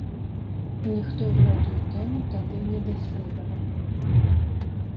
Ніхто гэтую тэму тады не даследаваў.